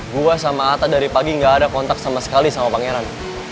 gua sama atta dari pagi nggak ada kontak sama sekali sama pangeran